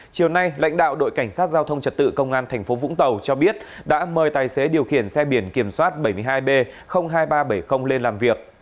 chiều nay lãnh đạo đội cảnh sát giao thông trật tự công an tp vũng tàu cho biết đã mời tài xế điều khiển xe biển kiểm soát bảy mươi hai b hai nghìn ba trăm bảy mươi lên làm việc